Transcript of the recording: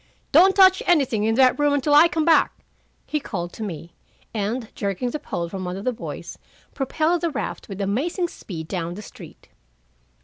"Don't touch anything in that room until I come back," he called to me, and jerking the pole from one of the boys, propelled the raft with amazing speed down the street.